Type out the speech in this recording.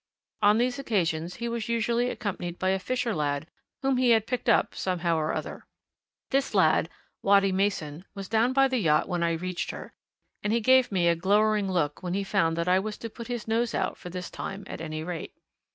On these occasions he was usually accompanied by a fisherlad whom he had picked up somehow or other: this lad, Wattie Mason, was down by the yacht when I reached her, and he gave me a glowering look when he found that I was to put his nose out for this time at any rate.